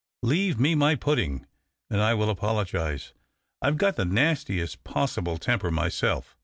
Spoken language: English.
" Leave me my pudding, and I will apologize." " I've got the nastiest possible temper myself."